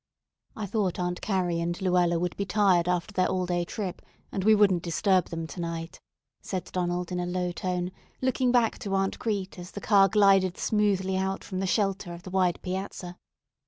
"I thought Aunt Carrie and Luella would be tired after their all day trip, and we wouldn't disturb them to night," said Donald in a low tone, looking back to Aunt Crete as the car glided smoothly out from the shelter of the wide piazza.